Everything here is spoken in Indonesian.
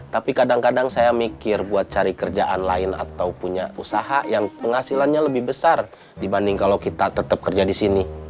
tapi kadang kadang saya mikir buat cari kerjaan lain atau punya usaha yang penghasilannya lebih besar dibanding kalau kita tetap kerja di sini